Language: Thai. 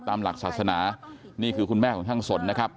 ตามหลักศาสนานี่คือคุณแม่ของช่างสนนะครับ